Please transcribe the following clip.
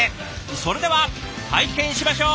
それでは拝見しましょう！